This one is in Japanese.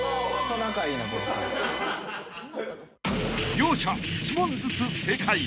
［両者１問ずつ正解］